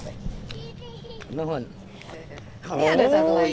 ini ada satu lagi